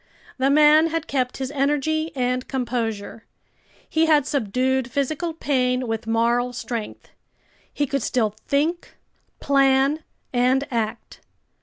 The man had kept his energy and composure. He had subdued physical pain with moral strength. He could still think, plan, and act.